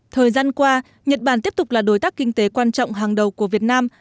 thời gian qua nhật bản tiếp tục là đối tác kinh tế quan trọng hàng đầu của việt nam